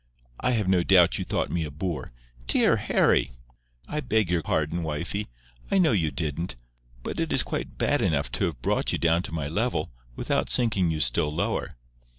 I have no doubt you thought me a boor." "Dear Harry!" "I beg your pardon, wifie. I know you didn't. But it is quite bad enough to have brought you down to my level, without sinking you still lower."